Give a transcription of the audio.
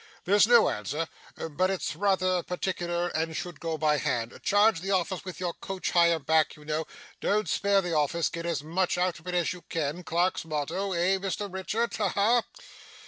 There's no answer, but it's rather particular and should go by hand. Charge the office with your coach hire back, you know; don't spare the office; get as much out of it as you can clerk's motto Eh, Mr Richard? Ha ha!